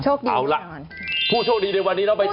โชคดีแน่นอนโชคดีแน่นอนเอาละผู้โชคดีในวันนี้เราไปต่อ